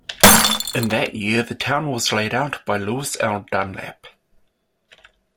In that year the town was laid out by Lewis L. Dunlap.